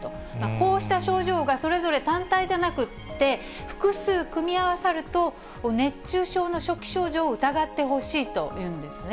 こうした症状がそれぞれ単体じゃなくって、複数組み合わさると、熱中症の初期症状を疑ってほしいというんですね。